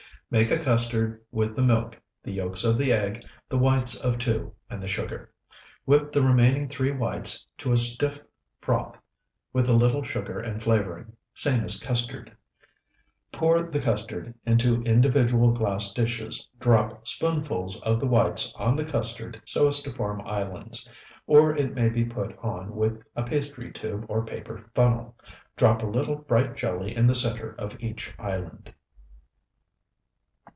Make a custard with the milk, the yolks of the eggs, the whites of two, and the sugar. Whip the remaining three whites to a stiff froth with a little sugar and flavoring, same as custard. Pour the custard into individual glass dishes, drop spoonfuls of the whites on the custard so as to form islands, or it may be put on with a pastry tube or paper funnel. Drop a little bright jelly in the center of each island.